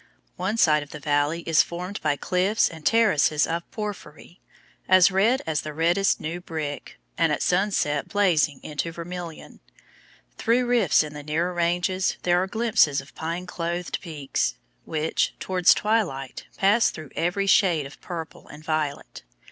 One side of the valley is formed by cliffs and terraces of porphyry as red as the reddest new brick, and at sunset blazing into vermilion. Through rifts in the nearer ranges there are glimpses of pine clothed peaks, which, towards twilight, pass through every shade of purple and violet.